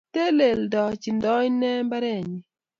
Teleltochindoi née mbarenyii?